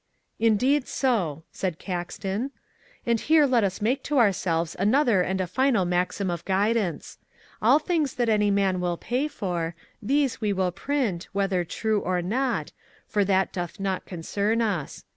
"Indeed so," said Caxton, "and here let us make to ourselves another and a final maxim of guidance. All things that any man will pay for, these we will print, whether true or not, for that doth not concern us.